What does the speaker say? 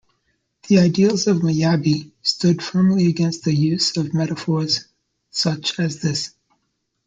The ideals of miyabi stood firmly against the use of metaphors such as this.